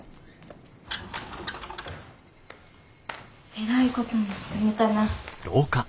えらいことになってもうたな。